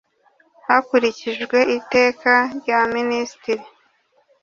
hakurikijwe iteka rya minisitiri